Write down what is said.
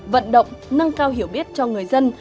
vận động nâng cao hiểu biết cho người dân